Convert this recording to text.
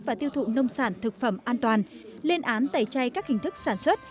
và tiêu thụ nông sản thực phẩm an toàn lên án tẩy chay các hình thức sản xuất